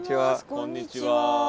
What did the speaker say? こんにちは。